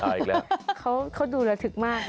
อีกแล้วเขาดูระทึกมาก